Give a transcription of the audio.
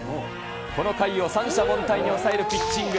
この回を三者凡退に抑えるピッチング。